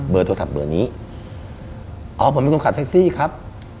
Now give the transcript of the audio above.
เบอร์โทรศัพท์เบอร์นี้อ๋อผมเป็นคนขัดทรักไซซี่ครับ